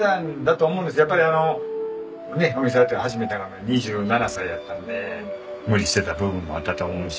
やっぱりお店をやったの初めてなんで２７歳やったんで無理してた部分もあったと思うし。